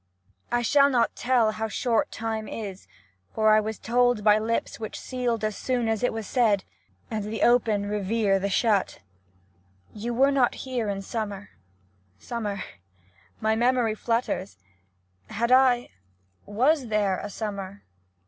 I shall not tell how short time is, for I was told by lips which sealed as soon as it was said, and the open revere the shut. You were not here in summer. Summer ? My memory flutters — had I — was there l80 LETTERS OF EMILY DICKINSON [1877 a summer?